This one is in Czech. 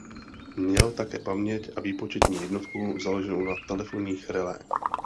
Měl také paměť a výpočetní jednotku založenou na telefonních relé.